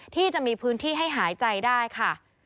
ที่จะมีพื้นที่ให้หายใจได้ค่ะ